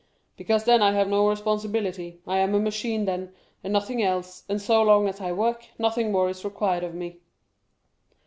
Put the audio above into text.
"Because then I have no responsibility. I am a machine then, and nothing else, and so long as I work, nothing more is required of me."